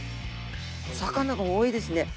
魚が多いですね。